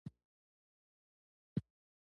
د مشهور ادیب نیل ګیمن لیکچر اهمیت لري.